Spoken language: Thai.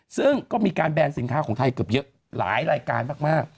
ซึ่งก็มีการแบนสินค้าของไทยเกือบเยอะหลายรายการมาก